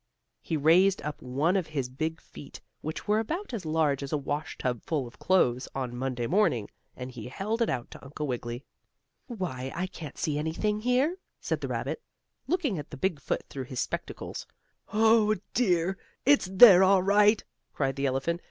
He raised up one of his big feet, which were about as large as a washtub full of clothes, on Monday morning, and he held it out to Uncle Wiggily. "Why, I can't see anything here," said the rabbit, looking at the big foot through his spectacles. "Oh, dear! It's there all right!" cried the elephant.